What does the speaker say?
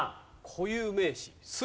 固有名詞。